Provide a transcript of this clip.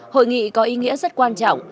hội nghị có ý nghĩa rất quan trọng